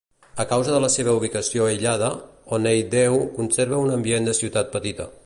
A causa de la seva ubicació aïllada, Honeydew conserva un ambient de ciutat petita.